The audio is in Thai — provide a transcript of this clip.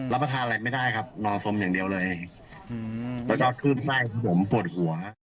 ประทานอะไรไม่ได้ครับนอนสมอย่างเดียวเลยแล้วก็ขึ้นไส้ผมปวดหัว